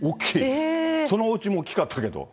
そのおうちも大きかったけど。